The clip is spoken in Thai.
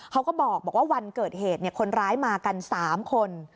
เขาก็บอกว่าวันเกิดเหตุคนร้ายมากัน๓คน